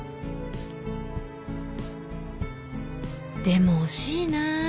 でも惜しいな。